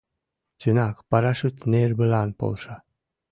Чынак, парашют нервылан полша.